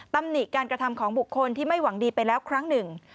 ตำหนิการกระทำของบุคคลที่ไม่หวังดีไปแล้วครั้งหนึ่ง